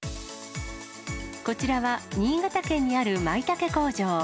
こちらは新潟県にあるまいたけ工場。